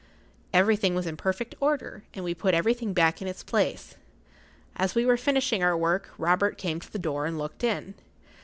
Everything was in perfect order, and we put everything back in its place. As we were finishing our work, Robert came to the door and looked in.